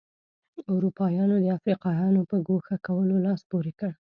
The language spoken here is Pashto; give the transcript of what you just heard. اروپایانو د افریقایانو په ګوښه کولو لاس پورې کړ.